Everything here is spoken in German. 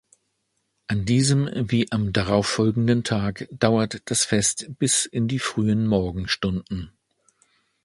An diesem wie am darauffolgenden Tag dauert das Fest bis in die frühen Morgenstunden.